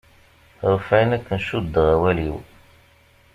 Ɣef ayen aken cuddeɣ awal-iw.